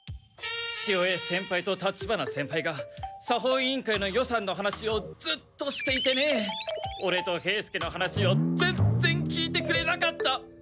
潮江先輩と立花先輩が作法委員会の予算の話をずっとしていてねオレと兵助の話を全然聞いてくれなかった。